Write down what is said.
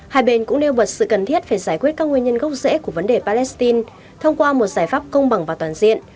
hai bên cũng nêu bật sự cần thiết phải giải quyết các nguyên nhân gốc rễ của vấn đề palestine thông qua một giải pháp công bằng và toàn diện